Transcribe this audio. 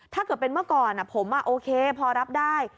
ถ้าเกิดเป็นเมื่อก่อนผมโอเคพอรับได้